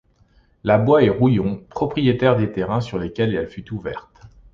Labois et Rouillon, propriétaires des terrains sur lesquels elle fut ouverte.